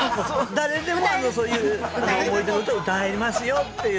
誰でもそういうふうな思い出の歌を歌えますよっていう。